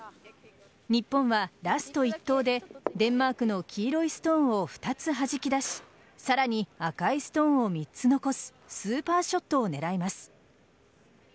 日本はラスト１投でデンマークの黄色いストーンを２つはじき出しさらに赤いストーンを３つ残すスーパーショットを狙います。